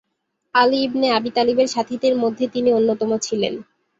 Ali ibn Abi তালিবের সাথীদের মধ্যে তিনি অন্যতম ছিলেন।